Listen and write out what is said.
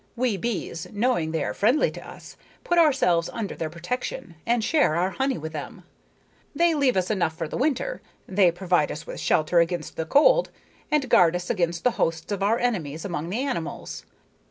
We bees, knowing they are friendly to us, put ourselves under their protection and share our honey with them. They leave us enough for the winter, they provide us with shelter against the cold, and guard us against the hosts of our enemies among the animals.